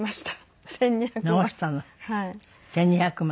１２００枚。